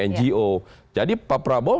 ngo jadi pak prabowo